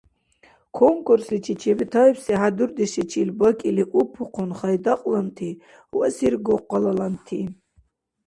Конкурсличи чебетаибси хӀядурдешличил бакӀили уббухъун хайдакьланти ва сергокъалаланти.